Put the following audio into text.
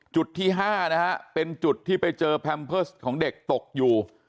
จุดที่๕นะฮะเป็นจุดที่ไปเจอแพมเพิร์สของเด็กตกอยู่